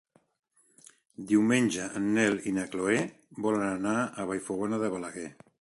Diumenge en Nel i na Chloé volen anar a Vallfogona de Balaguer.